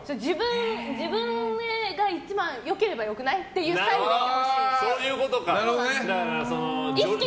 自分が一番良ければよくないっていうスタイルでいてほしい。